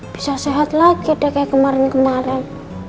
bisa sehat lagi deh kayak kemarin kemarin